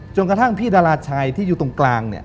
กระทั่งพี่ดาราชัยที่อยู่ตรงกลาง